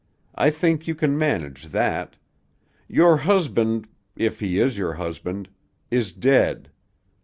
I think you can manage that. Your husband if he is your husband is dead.